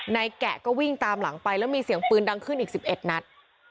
แกะก็วิ่งตามหลังไปแล้วมีเสียงปืนดังขึ้นอีก๑๑นัด